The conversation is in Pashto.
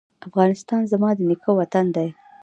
افغانستان زما د نیکه وطن دی